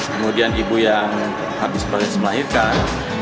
kemudian ibu yang habis proses melahirkan